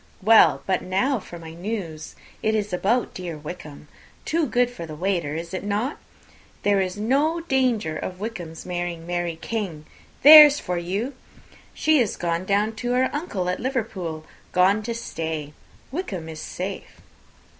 Well, but now for my news: it is about dear Wickham; too good for the waiter, is not it? There is no danger of Wickham's marrying Mary King there's for you! She is gone down to her uncle at Liverpool; gone to stay. Wickham is safe."